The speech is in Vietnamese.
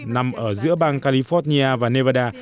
nằm ở giữa bang california và nevada